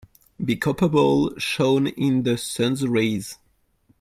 The copper bowl shone in the sun's rays.